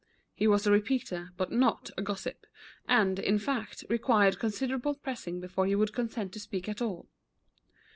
He was a repeater, but not a gossip, and, in fact, required considerable pressing before he would consent to speak at all.